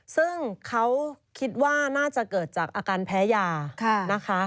ซึ่งเขาคิดว่าน่าจะเกิดจากอาการแพ้ยานะคะ